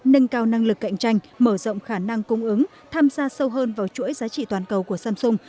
nâng cao năng lực cạnh tranh mở rộng khả năng cung ứng tham gia sâu hơn vào chuỗi giá trị toàn cầu của samsung